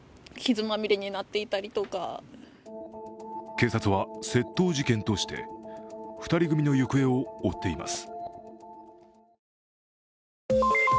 警察は窃盗事件として２人組の行方を追っています。